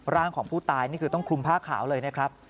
ร่างของผู้ตายนี่คือต้องคลุมผ้าขาวเลยนะครับ